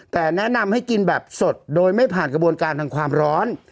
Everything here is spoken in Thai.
แต่แนะนำให้กินแบบสดโดยไม่ผ่านกระบวนการทางความร้อน